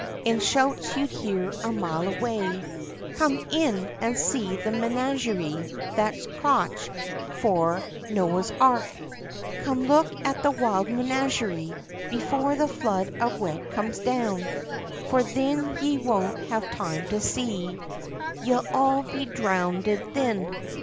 In shouts you'd hear a mile away, "Come in, an' see the menagerie, that's cotch for Noah's Ark, Come look at the wild menagerie, before the flood of wet comes down, For thin ye won't have time to see, ye'll all be dhrownded thin!